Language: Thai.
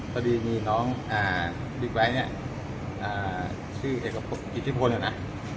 พอดีมีน้องอ่าดิ๊กแว้นเนี่ยอ่าชื่ออิทธิพลอยู่น่ะ